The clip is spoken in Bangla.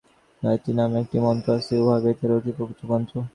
গায়ত্রী নামে একটি মন্ত্র আছে, উহা বেদের অতি পবিত্র মন্ত্র।